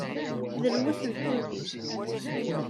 D lmus n tkuzint.